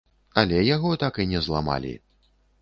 Але яго так і не зламалі.